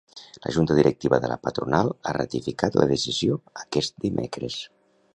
La Junta Directiva de la patronal ha ratificat la decisió aquest dimecres.